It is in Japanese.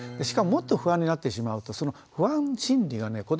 しかももっと不安になってしまうとその不安心理がね